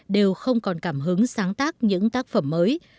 đều không còn cảm hứng sáng tác những tác phẩm mới